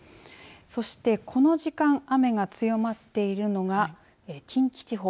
そして、この時間雨が強まっているのが近畿地方。